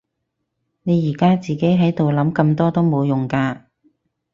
你而家自己喺度諗咁多都冇用㗎